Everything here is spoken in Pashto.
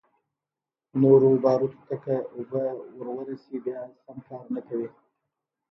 نورو باروتو ته که اوبه ورورسي بيا سم کار نه کوي.